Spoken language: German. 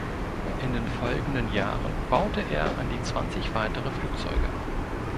In den folgenden Jahren baute er an die zwanzig weitere Flugzeuge.